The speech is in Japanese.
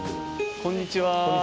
こんにちは。